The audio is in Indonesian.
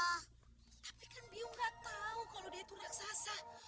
tapi kan bium gak tahu kalau dia itu raksasa